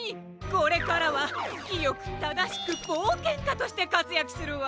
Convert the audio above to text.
これからはきよくただしくぼうけんかとしてかつやくするわ！